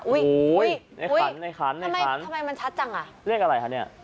อุ้ยทำไมมันชัดจังอ่ะในขันเลขอะไรคะเนี่ย